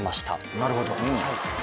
なるほど。